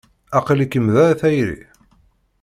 Aql-ikem da a tayri?